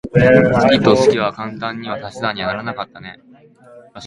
好きと好きは簡単には足し算にはならなかったね。